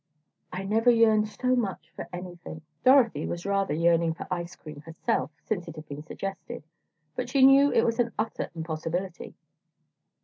"I never yearned so much for anything." Dorothy was rather yearning for ice cream herself, since it had been suggested, but she knew it was an utter impossibility.